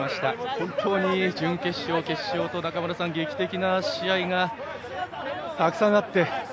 本当に準決勝、決勝と中村さん、劇的な試合がたくさんあって。